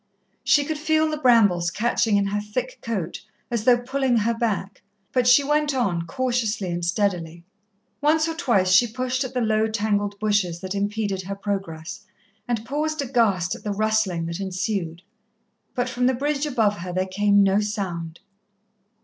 She could feel the brambles catching in her thick coat as though pulling her back, but she went on, cautiously and steadily. Once or twice she pushed at the low, tangled bushes that impeded her progress, and paused aghast at the rustling that ensued. But from the bridge above her there came no sound.